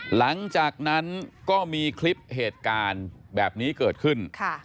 หลังจากนั้นก็มีคลิปเหตุการณ์แบบนี้เกิดขึ้น